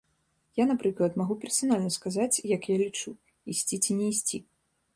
Я, напрыклад, магу персанальна сказаць як я лічу, ісці ці не ісці.